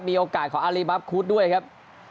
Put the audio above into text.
มีโอกาสของอารีบับคูดด้วยครับ